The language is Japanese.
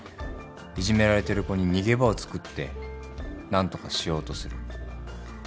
いじめられてる子に逃げ場をつくって何とかしようとする。